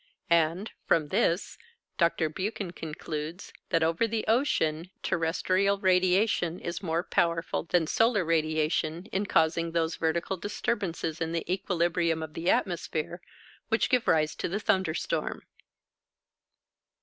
And, from this, Dr. Buchan concludes that over the ocean terrestrial radiation is more powerful than solar radiation in causing those vertical disturbances in the equilibrium of the atmosphere which give rise to the thunder storm.